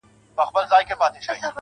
له ځانه ووتلم «نه» ته چي نه ـ نه وويل,